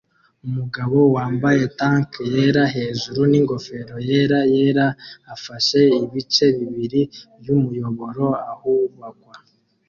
Umugabo wambaye tank yera hejuru n'ingofero yera yera afashe ibice bibiri byumuyoboro ahubakwa